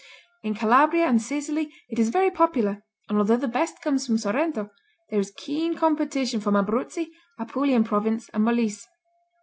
In Calabria and Sicily it is very popular, and although the best comes from Sorrento, there is keen competition from Abruzzi, Apulian Province and Molise.